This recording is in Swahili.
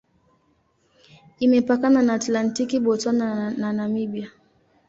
Imepakana na Atlantiki, Botswana na Namibia.